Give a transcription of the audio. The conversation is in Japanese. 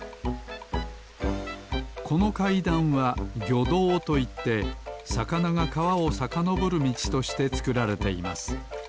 このかいだんは魚道といってさかながかわをさかのぼるみちとしてつくられています。